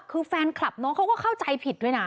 คือแฟนคลับน้องเขาก็เข้าใจผิดด้วยนะ